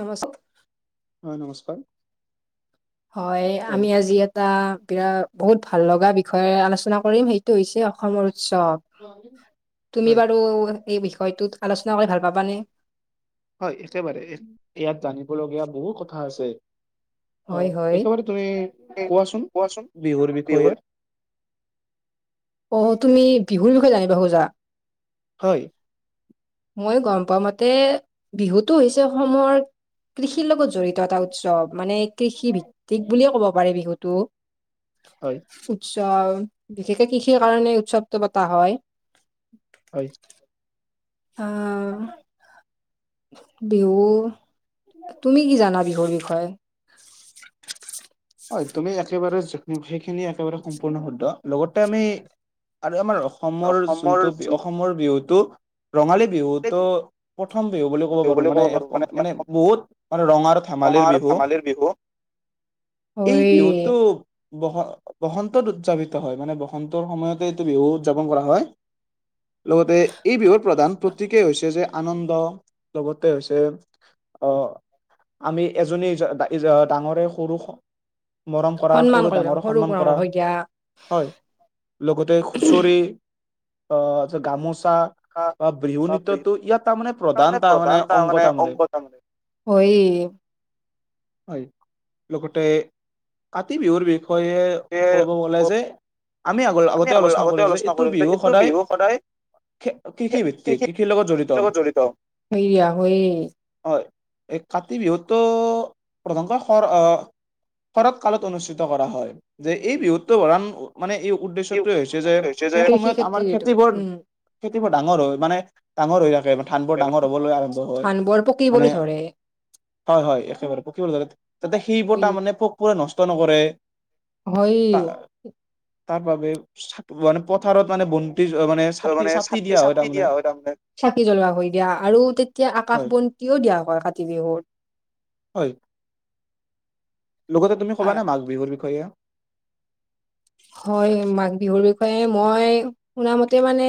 নমস্কাৰ। নমস্কাৰ। হয় আমি আজি এটা বি বহুত ভাল লগা বিষয়ে আলোচনা কৰিম সেইটো হৈছে অসমৰ উৎ সৱ, তুমি বাৰু এই বিষয়টোত আলোচনা কৰি ভাল পাবানে? হয় একেবাৰে ইয়াত জানিবলগীয়া বহু কথা আছে। অ একেবাৰে তুমি কোৱাচোন বিহুৰ বিষয়ে? অ তুমি বিহুৰ বিষয়ে জানিব খুজা? হয়। মই গম পোৱা মতে বিহুতটো হৈছে অসমৰ কৃষিৰ লগত জডৰি়ত এটা উৎসৱ। মানে কৃষি ভিত্তিক বুলিয়ে ক'ব পাৰি বিহুতটো। [unintelligible] ত' বিশেষকে কৃষিৰ কাৰণে উৎসৱটো পতা হয়। হয়। আহ বিহু তুমি কি জানা বিহু ৰ বিষয়ে? হয় তুমি একেবাৰে য সেইখিনি একেবাৰে সম্পূৰ্ণ শুদ্ধ, লগতে আমি আৰু আমাৰ অসমৰ যোনটো অসমৰ বিহুতটো ৰঙালী বিহুতো প্ৰথম বিহু বুলি ক'ব পাৰো মানে মানে বহুত মানে ৰঙৰ আৰু ধেমালি ৰঙৰ ধেমালিৰ বিহু। এই বিহুতো বস বসন্তত উদযাপিত হয়, মানে বসন্তৰ সময়তে এইটো বিহু উদযাপন কৰা হয়। লগতে এই বিহুৰ প্ৰধান প্ৰতেকেই হৈছে যে আনন্দ লগতে হৈছে অহ আমি এজনে [unintelligible] ডাঙৰে সৰুক মৰম কৰা সৰু ডাঙৰ সন্মান কৰা। হয় লগতে হুঁচৰি, অ গামোচ চা বা বিহু নৃত্যটো ইয়াত তাৰমানে প্ৰধান তাৰ মানে অংগ তাৰমানে। হয়ে। হয় লগতে কাতি বিহুৰ বি ষয়ে ক'ব গ'লে যে আমি আগ আগতে আলোচনা কৰো যে এইটো বিহু সদায় কৃষি ভিত্তিক কৃষিৰ লগত জড়িত, হয়। এই কাতি বিহুটো প্ৰধানকৈ খৰ অ শৰৎ কালত অনুষ্ঠিত কৰা হয়, যে এই বিহুতো ভ মানে এই উদ্দেশ্যটোৱে হৈছে যে সেই সময়ত আমাৰ খেতিবৰ খেতিবোৰ ডাঙৰ হয় মানে ডাঙৰ হৈ থাকে ধানবোৰ ডাঙৰ হ'বলৈ আৰম্ভ হয়। মানে হয় হয় একেবাৰে পকিব ধৰে যাতে সেইবোৰ তাৰমানে পোকবোৰে নষ্ট নকৰে, হয়। তাৰ বাবে মানে পথাৰত মানে বন ত' মানে চাকি চাকি দিয়া হয় তাৰমানে, চাকি জ্বলোৱা হৈ দিয়া আৰু তেতিয়া আকাশ বন্তিও দিয়া হয় কাতি বিহুত। হয়। লগতে তুমি কবা না মাঘ বিহুৰ বিষয়ে? হয় মাঘ বিহুৰ বিষয়ে মই শুনা মতে মানে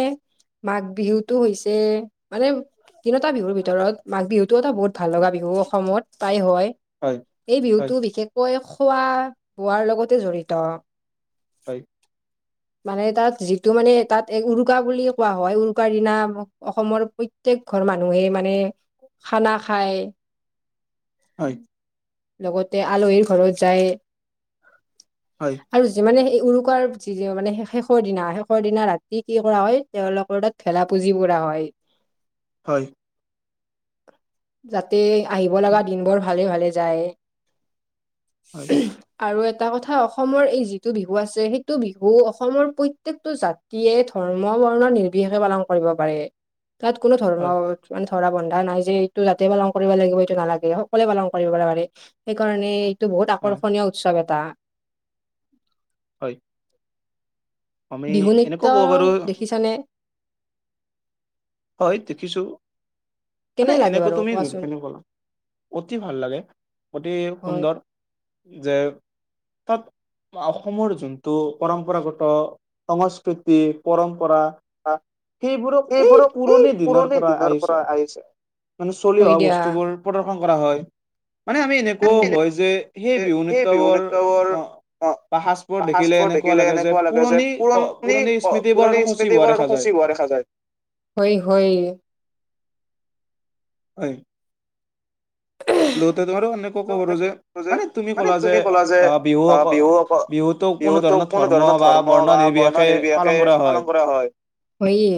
মাঘ বিহুতটো হৈছে, মানে তিনিটা বিহুৰ ভিতৰত মাঘ বিহুতটো এটা বহুত ভাল লগা বিহু অসমত তাই হয় এই বিহুটো বিশেষকৈ খোৱা বোৱাৰ লগতে জড়িত হয় মানে তাত যিটো মানে তাত উৰুকা বুলি কোৱা হয় উৰুকাৰ দিনা অসমৰ প্ৰ প্ৰত্যেক ঘৰ মানুহে মানে খানা খায় হয় লগতে আলহীৰ ঘৰত যায় হয় মানে সেই উৰুকাৰ যি মানে শেষৰ দিনা শেষৰ দিনা ৰাতি কি কৰা হয় তেওঁলোকৰ তাত ভেলা পুজি বুঢ়া হয় হয় যাতে আহিব লগা দিনবোৰ ভালে ভালে যায় হয় আৰু এটা কথা অসমৰ এই যি যিটো বিহু আছে সেইটো বিহু অসমৰ প্ৰত্যয়েকটো জাতিয়ে ধৰ্ম বৰ্ণৰ নিৰ্বিশেষে পালন কৰিব। কৰিব পাৰে তাত কোনো ধৰণৰ ম ধৰা বন্ধা নাই যে এইটো যাতে পালন কৰিব লাগিব এইটো নালাগে সকলোৱে পালন কৰিব পাৰে সেইকাৰণে টো বহুত আকৰ্ষণীয় উৎসৱ এটা হয় বিহু নৃত্যৰ দেখিছানে হয় দেখিছো মানে এনেকা তুমি যোনখিনি কলা অতি ভাল লাগে অতি সুন্দৰ যে তাত অসমৰ যোনটো পৰম্পৰাগত সংস্কৃতি পৰম্পৰা সেইবোৰক এই পুৰণি দিনৰ পৰা আহিছে মানে চলি অহা বস্তুবোৰ প্ৰদৰ্শন কৰা হয় মানে আমি এনেকুৱাও হয় যে সেই বিহু নৃত্যবৰ বা সাজ পোৰ দেখিলে এনেকুৱা লাগে যে পুৰণি পুৰণি স্মৃতিবোৰ শচি হোৱা দেখা যায় পোৱা দেখা যায় [inaudible] হৈ হৈ হয় লগতে তোমাৰো এনেকৈ ক'ব পাৰো যে মানে তুমি ক'লা যে অ বিহু অক বিহুতটো ক বহুতো কোনো ধৰণৰ ধৰ্ম বা বৰ্ণ নিৰ্বিষে পালন কৰা হয়। হয়ই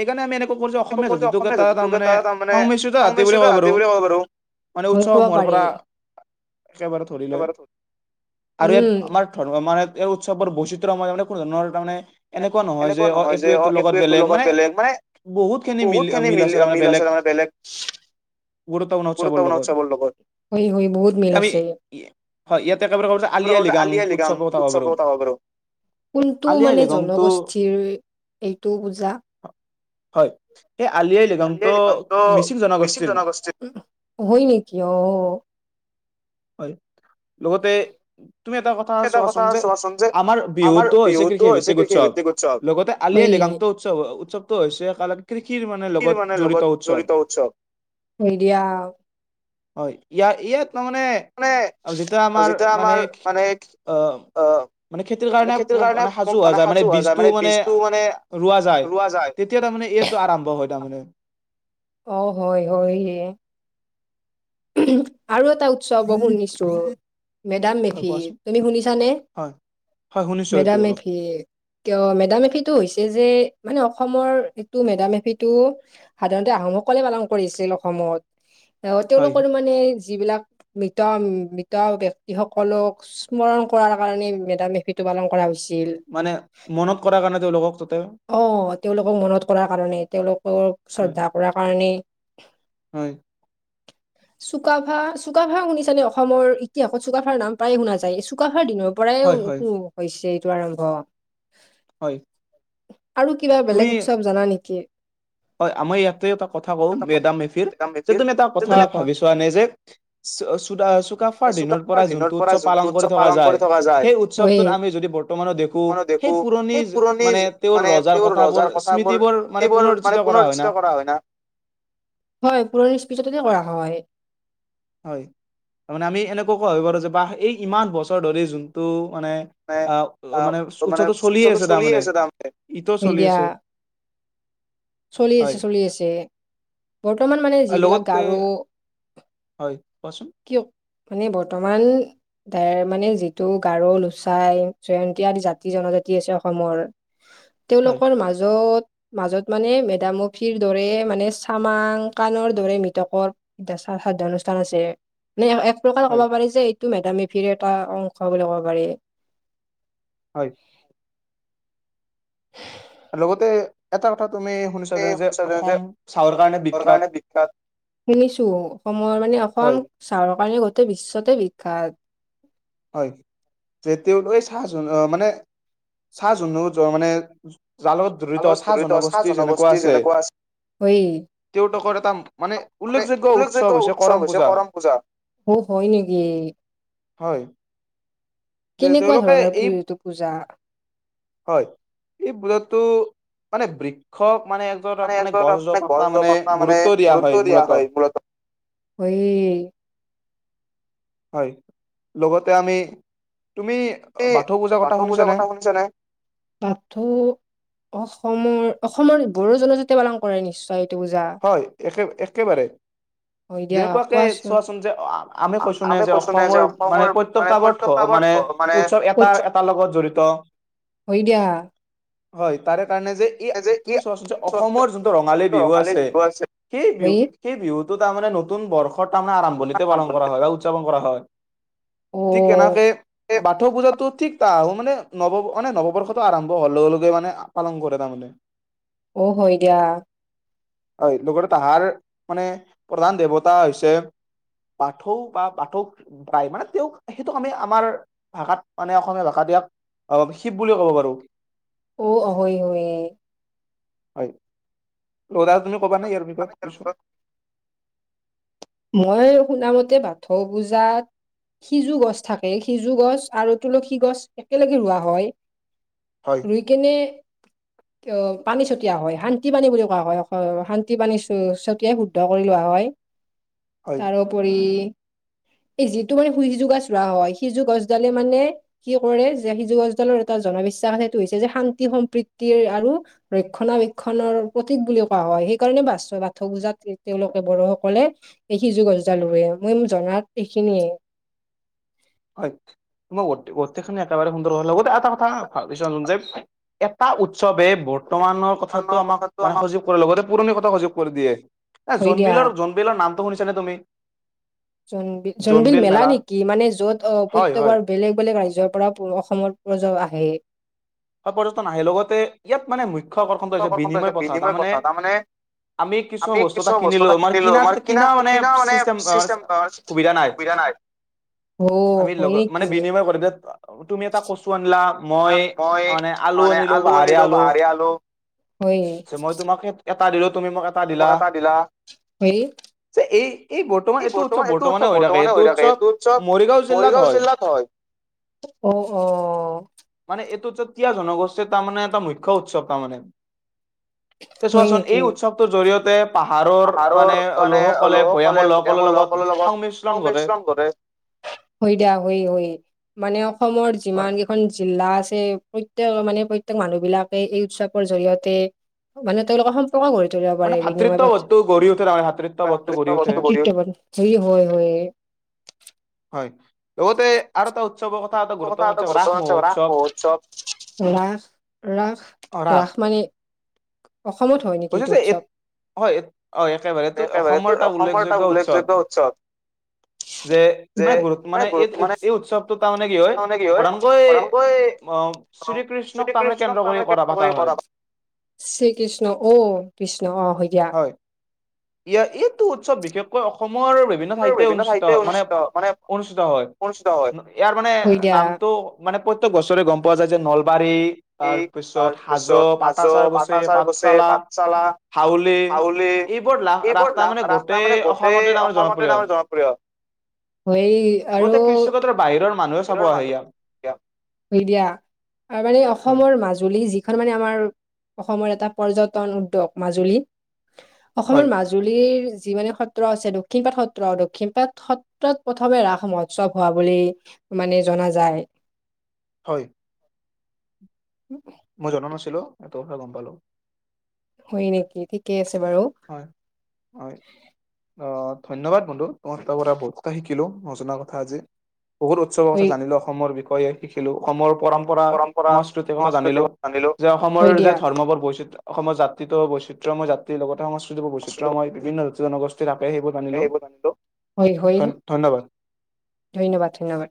এইকাৰণে আমি এনেকুৱা কৰিছো অসমীয়া জাটোকে তাত তাৰ মানে সংমিশ্ৰিত হাতী বুলিয়ে ক'ব পাৰো মানে উৎসৱসমূহৰ পৰা একেবাৰে ধৰি লয় আৰু ইয়াত আমাৰ ধৰ্ম মানে এই উৎসৱৰ বৈচিত্ৰ আমাৰে কোনো ধৰণৰ তাৰানে এনেকুৱা নহয় যে অ এইটো এইটো লগত বেলেগ মানে বহুত খিনি মিল মিল আছিল মানে বেলেগ গুৰুত্বপূৰ্ণ ওপৰতে আছে আমাৰ লগত, হৈ হৈ বহুত মিল আছে এ তাৰ পিছত কৈছে আলি উৎসৱৰ কথা কব পাৰো কোনটো মানে জনগোষ্ঠীৰ এইটো পূজা হয় সেই আলি আই লৃগংটো মিচিং জনগোষ্ঠীৰ হয় নেকি অ হয় লগতে তুমি এটা কথা চোৱাচোন যে আমাৰ বিহুতটো হৈছে কৃষিভিত্তিক উৎসৱ লগতে আলিয় লি শান্ত উৎসৱ উৎসৱটো হৈছে কালত কৃষিৰ মানে লগত জড়িত উৎসৱ মিডিয়া হয় ইয় ইয়াত তাৰ মানে যেতিয়া আমাৰ মানে আহ মানে খেতিৰ কাৰণে মানে সাজু হোৱা যায় মানে বীজটো মানে ৰোৱা যায় তেতিয়া তাৰমানে এইটো আৰম্ভ হয় তাৰমানে অ হয় হয় আৰু এটা উৎসৱ [unintelligible] বহু নিশ মেডাম মেফি তুমি শুনিছানে মেডাম এফি কিয় মেডাম এফি টো হৈছে যে মানে অসমৰ এইটো মেডাম মেফি টো সাধাৰণতে আহোমসকলে পালন কৰিছিল অসমত [inaudible] তেওঁলোকৰ মানে যিবিলাক মৃত মৃত ব্যক্তি সকলক স্মৰণ কৰাৰ কাৰণে মেডাম মেফিটো পালন কৰা হৈছে মানে মনত কৰা কাৰণে তেওঁলোকক তাতে অ তেওঁলোকক মনত কৰাৰ কাৰণে তেওঁলোকক শ্ৰদ্ধা কৰাৰ কাৰনেই হয় চুকাফা চুকাফা শুনিছানে অসমৰ ইতিহাসত চুকাফাৰ নাম প্ৰায়ে শুনা যায় চুকাফা দিনৰ পৰাই সু হৈছে এইটো আৰম্ভ হয় আৰু কিবা বেলেগ উৎসৱ জানা নেকি হয় আমি ইয়াতে এটা কথা কওঁ মেদাম মেফিৰ যি কোনো এটা কথা কথা ভাবি চোৱা নে যে চ চ চুকাফাৰ দিনৰ পৰা যোনটো উৎসৱ পালন কৰি থকা যায় সেই উৎসৱটোত আমি যদি বৰ্তমানো দেখো সেই পুৰণি মানে তেওঁৰ ৰজাৰ কথাবোৰ স্মৃতি বোৰ মানে পুনৰ ু হয় প কৰা হয় [unintelligible] হয় তাৰ মানে আমি এনেকৈ কোৱা পাৰো যে বা এই ইমান বছৰ ধৰি যোনটো মানে আহ মানে উৎসৱটো চলিয়ে আছে তাৰমানে ইতিয়াও চলি আছে [inaudible] চলি আছে চলি আছে বৰ্তমান মানে যিবিলাক গাৰু হয় কোৱাচোন মানে বৰ্তমান ত মানে যিটো গাৰ লোচাই জয়ন্তী আদি জাতি জনজাতি আছে অসমৰ তেওঁলোকৰ মাজত মাজত মানে মেডামফিৰ দৰে মানে চামাং কাণৰ দৰে মৃতকৰ অনুষ্ঠান চান আছে ন এক প্ৰকাৰে ক'ব পাৰি যে এইটো মেডামেফিৰ এটা অংশ বুলি ক'ব পাৰি লগতে এটা কথা তুমি শুনিছা যে যে অসম চাহৰ কাৰণে বিখ্যাত শুনিছো অসমৰ মানে অসম চাৰৰ কাৰণে গোটেই বিশ্বতে বিখ্যাত হয় যে তেওঁলোক চাহ জোন আহ মানে চাহ জোনো মানে চাহ লগত জড়িত চাহ জনগোষ্ঠী যেনেকুৱা আছে তেওঁতোকৰ এটা মানে উল্লেখযোগ্য উৎসৱ হৈছে কৰম পূজা। অ হয় নেকি? হয়। যে তেওঁলোকে এই হয় এই পূজাটো- মানে বৃক্ষ- মানে মানে গছজোপাক মানে গুৰুত্ব দিয়া হয় মূলত হৈই - হয় লগতে আমি বাথৌ পূজাৰ কথা শুনিছে নে বাথৌ অসমৰ- অসমত বড়ো, জনজাতিয়ে পালন কৰে নিশ্চয় হয় একে একেবাৰে- যেনেকুৱাকে চোৱাচোন যে আমি কৈছো নে যে অসমৰ মানে প্ৰত্যক টা অৰ্থ- মানে উৎসৱ এটা এটাৰ লগত জড়িত। হৈ দিয়া। হয় তাৰে কাৰণে যে এই তুমি চোৱাচোন যে অসমৰ যোনটো ৰঙালী বিহু আছে। সেই বিহু সেই বিহুতো তাৰমানে নতুন বৰ্ষত। তাৰমানে আৰৰাম বুলিলিতে পালন কৰা হয় বা উদযাপন কৰা হয়। ঠিক এনেকে বাথ পূজাটো। ঠিক ত আহো মানে নৱ মানে নৱবৰ্ষটো আৰম্ভ হোৱাৰ লগে লগে মানে পালন কৰে তাৰমানে। অ হয় দিয়া। হয় লগতে তাহাৰ মানে প্ৰধান দেৱতা হৈছে। বাথৌ বা বাথৌ প্ৰায় মানে তেওঁক সেইটোক আমি আমাৰ ভাষাত মানে অসমীয়া ভাষা ইয়াক। অ শিৱ বুলিুলিয় কব বাৰো। অ অ হয় হয়। হয় ৰদা তুমি ক'বা নাই ই বিত কিছু। মই শুনামতে বাথৌ পূজাত। সিজু গছ থাকে সিজু গছ আৰু তুলসী গছ একেলগে ৰৱোৱা হয়। ৰই কেনে। [unintelligible] পানী ছটৱা হয় শান্তি পানী বুলি কোৱা হয়। শান্তি পানী ছটিয়াই শুদ্ধ কৰি লোৱা হয়। [unintelligible] তাৰোপৰি। [unintelligible] এই যিটো মানে সু সিজু গছ ৰোৱা হয় সিজু গছডালে মানে কি কৰে যে সিজু গছডালৰ এটা জন। বিশ্বাস সেইটো হৈছে যে শান্তি সম্প্ৰীতিৰ আৰু ৰক্ষণাবেক্ষণৰ প্ৰতীক বুলি কোৱা হয় সেই। কাৰণে বাচ বাথ গুজাত তেওঁলোকে বড়োসকলে। এই সিজো গছডালৰুৱে মই ম জনাত এইখিনিয়ে। হয় তমাৰখি একেবাৰে সুন্দৰ হ লগ এটা কথা ভাল। এটা উৎসৱে বৰ্তমানৰ কথাটো আমাক মানে সযোগ কৰে লগতে পুৰণি কথা সোগ কৰি দিয়ে। ন জোনবিলৰ জোনবিলৰ নামটো শুনিছানে তুমি। জোনিল জোনবিল মেলা নেকি মানে য'ত অ প্ৰত্য়েক বেলেগ বেলেগ ৰাজই। নিজৰ পৰা প অসমত পজা আহে। হয় পৰ্যটন আহে লগতে ইয়াত মানে মুখ্য আকৰ্ষণটো হৈছে বিনিময় প্ৰথা তাৰমানে। আমি কিছুমান বস্তু এটা কিনিলো মানে কিনা কিনা মানে চম। সুবিধা নাই আমি লগত মানে বিনিয় কৰি। তুমি এটা কছু আনিলা মই। মানে আলু আনিলো পাহাৰীয়া আলু মই তোমাক। তুমি মোক এটা দিলা। হৰি। এই বৰ্তমান এইটো উৎসৱ বৰ্তমানে হৈ থাকে এইটো উৎসৱ মৰিগাঁও জিলাত হয়। অ অ। তীয়া জনগোষ্ঠীৰ তাৰ মানে এটা মুখ্য উৎসৱ তাৰমানে। তে চোৱাচোন এই উৎসৱটোৰ জৰিয়তে। পাহাৰৰ মানে লোকসকলে প্ৰেমৰ লোকসকলৰ লগত সংমিশ্ৰণ কৰে। হৈ দিয়া হয় হয় মানে অসমৰ যিমান কেইখন জিলা আছে। প্ৰত্য়ক মানে প্ৰত্যেক মানুহ বিলাকে এই উৎসৱৰ জৰিয়তে মানে তেওঁলোকৰ। কা ঘৰি তলাব পাৰে বিনিময় পৰ্থা। য হয়। হয় লগতে আৰু এটা উৎসৱ। কথা গুৰুত্ব ৰাস মহোৎসৱ। ৰাস, ৰাস মানে। অসমত হয় নেকি এইটো উৎসৱ? একেবাৰে তোৰ অসমৰ এটা উল্লেখযোগ্য উৎসৱ। যে মানে গ মানে, মানে কি হয় প্ৰধানকৈ শ্ৰীকৃষ্ণক [unintelligible] কৃষ্ণ, অ' কৃষ্ণ, অ' হয় দিয়া। ইয় এইটো উৎসৱ বিশেষকৈ অসম অসমৰ বিভিন্ন ঠাইতে অনুষ্ঠিত, মানে অনুষ্ঠিত হয়। ইয়াৰ মানে নামটো, মানে প্ৰত্যেক বছৰে গম পোৱা যায় যে নলবাৰী তাৰ পিছত হাজো, পটাচাৰকুচি, পাঠশালা হাউলি, এইবোৰ এইবোৰ ৰাস্তা মানে গোটেই অসমতে তাৰে জনপ্ৰিয়। হয় আৰু, মানুহ, হয় দিয়া। আৰু মানে, অসমৰ মাজুলী যিখন মানে আমাৰ অসমৰ এটা পৰ্যটন উদ্যোগ, মাজুলী। অসমৰ মাজুলীৰ যিমানে সত্ৰ আছে, দক্ষিণপাট সত্ৰ, দক্ষিণপাট সত্ৰত প্ৰথমে ৰাস মহোৎসৱ হোৱা বুলি মানে জনা যায় হয়। মই জনা নাছিলো এটো কথা গম পালো। হয় নেকি! ঠিকেই আছে। হয় হয়। অ ধন্যবাদ বন্ধু। তোমাৰ পৰা বহুত কথা শিকিলো, নজনা কথা আজি বহুত উৎসৱৰ কথা জানিলো অসমৰ বিষয়ে, শিকিলো। অসমৰ পৰম্পৰা, সংস্কৃতিৰ কথা জানিলো। যে অসমৰ যে ধৰ্মবোৰ বৈচিত্ৰ অসমৰ জাতিটো বৈচিত্ৰ্যময় জাতিৰ লগতে, সংস্কৃতিৰ বৈচিত্ৰময়। বিভিন্ন জাতি-জনগোষ্ঠী সেইবোৰ জানিলো। ধন-ধন্যবাদ। ধন্যবাদ ধন্যবাদ।